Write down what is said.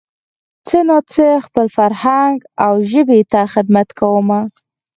څه نا څه خپل فرهنګ او ژبې ته خدمت کومه